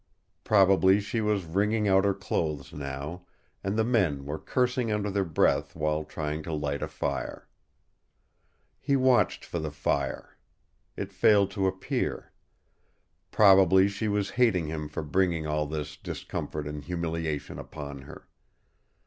Probably she was wringing out her clothes now, and the men were cursing under their breath while trying to light a fire. He watched for the fire. It failed to appear. Probably she was hating him for bringing all this discomfort and humiliation upon her.